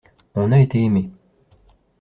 On a été aimé.